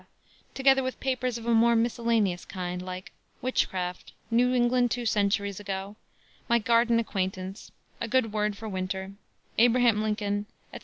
together with papers of a more miscellaneous kind, like Witchcraft, New England Two Centuries Ago, My Garden Acquaintance, A Good Word for Winter, Abraham Lincoln, etc.